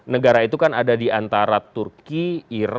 negara itu kan ada di antara turki irak iran